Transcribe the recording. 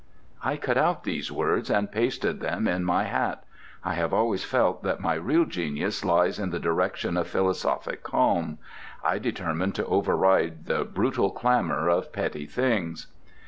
I cut out these words and pasted them in my hat. I have always felt that my real genius lies in the direction of philosophic calm. I determined to override the brutal clamour of petty things.